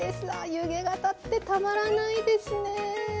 湯気が立ってたまらないですね。